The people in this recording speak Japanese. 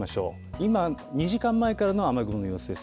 今２時間前からの雨雲の様子です。